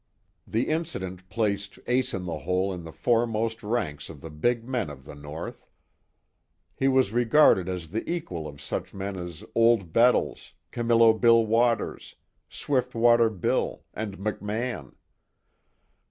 The incident placed Ace In The Hole in the foremost ranks of the big men of the North. He was regarded as the equal of such men as Old Bettles, Camillo Bill Waters, Swiftwater Bill, and McMann.